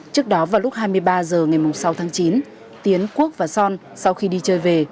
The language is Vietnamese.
trước đó vào lúc hai mươi ba h ngày sáu tháng chín tiến quốc và son sau khi đi chơi về